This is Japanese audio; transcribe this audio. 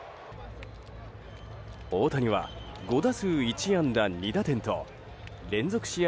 大谷は５打数１安打２打点と連続試合